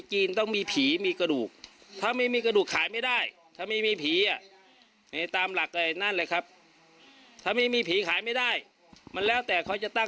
ฟังเสียงเนนแอค่ะ